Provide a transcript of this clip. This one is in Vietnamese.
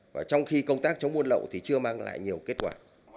và trong khi công tác chống buôn lậu thì chưa mang lại nhiều kết quả